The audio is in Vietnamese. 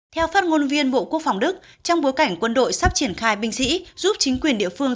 theo phát ngôn viên bộ quốc phòng đức trong bối cảnh quân đội sắp triển khai binh sĩ giúp chính quyền địa phương